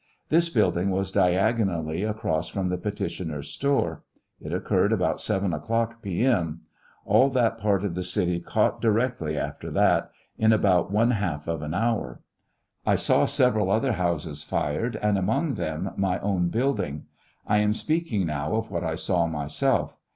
This building was diagonally across from the petitioner's store. It occurred about 7 o'clock, P. M. All that part of the city caught directly after that — in about one half of an hour. I saw several other houses fired, and among them my own building. I am speaking now of what I saw myself.